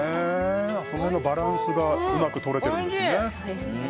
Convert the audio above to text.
その辺のバランスがうまく取れてるんですね。